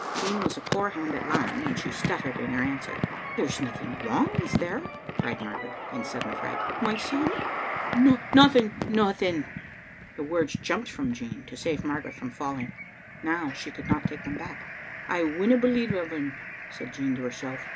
Jean was a poor hand at lying, and she stuttered in her answer. " There is nothing wrong, is there?" cried Margaret, in sudden fright. " My son " "Nothing, nothing." Digitized by VjOOQ IC J9abMe and Aat^f et« tts The words jumped from Jean to save Margaret from falling. Now she could not take them back. *^ I winna believe it o' him," said Jean to herself.